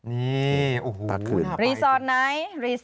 นี่รีสอร์ทไหนรีสอร์